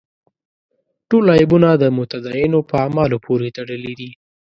ټول عیبونه د متدینو په اعمالو پورې تړلي دي.